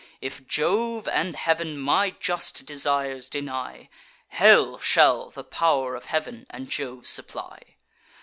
If Jove and Heav'n my just desires deny, Hell shall the pow'r of Heav'n and Jove supply.